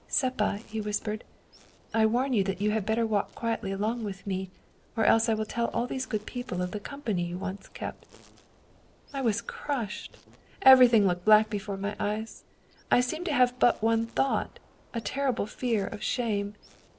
' Seppa,' he whis pered, ' I warn you that you had better walk quietly along with me, or else I will tell all these good people of the company you once kept.' I was crushed, everything looked black before my eyes I seemed to have but one thought, a terrible fear of shame.